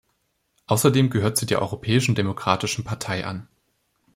Außerdem gehört sie der Europäischen Demokratischen Partei an.